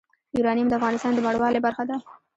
یورانیم د افغانستان د بڼوالۍ برخه ده.